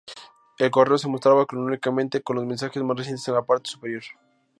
El correo se mostraba cronológicamente, con los mensajes más recientes en la parte superior.